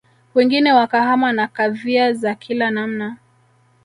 Wengine wakahama na kadhia za kila namna